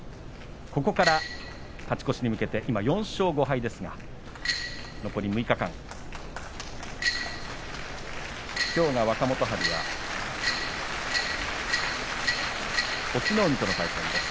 ここから勝ち越しに向けて４勝５敗ですが残り６日間、きょう、若元春は隠岐の海との対戦です。